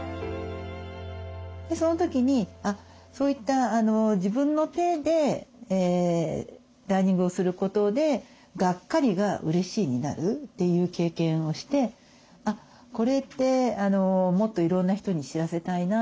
その時にそういった自分の手でダーニングをすることで「がっかりがうれしいになる」という経験をしてこれってもっといろんな人に知らせたいな。